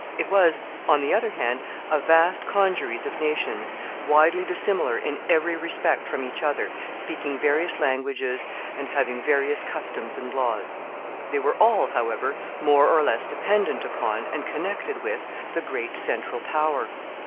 It was, on the other hand, a vast congeries of nations, widely dissimilar in every respect from each other, speaking various languages, and having various customs and laws. They were all, however, more or less dependent upon, and connected with, the great central power.